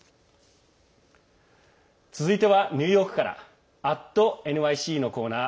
続いてはニューヨークから「＠ｎｙｃ」のコーナー。